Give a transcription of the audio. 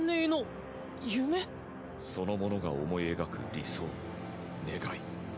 その者が思い描く理想願い。